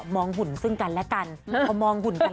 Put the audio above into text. หุ่นซึ่งกันและกันพอมองหุ่นกัน